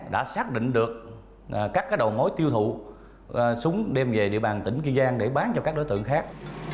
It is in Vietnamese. đã xác định được các đầu mối tiêu thụ súng đem về địa bàn tỉnh kiên giang để bán cho các đối tượng khác